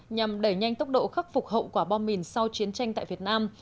nhằm đẩy nhanh tốc độ khắc phục hậu quả bom mìn sau chiến tranh tại việt nam